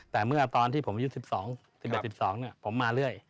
แต่เมื่อตอนที่ผมอายุ๑๒๑๑๑๒ผมมาเรื่อย